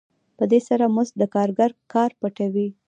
په دې سره مزد د کارګر کار پټوي